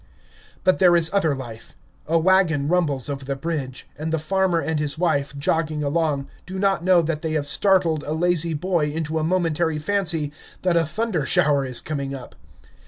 But there is other life. A wagon rumbles over the bridge, and the farmer and his wife, jogging along, do not know that they have startled a lazy boy into a momentary fancy that a thunder shower is coming up.